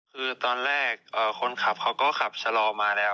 คือตอนแรกคนขับเขาก็ขับชะลอมาแล้ว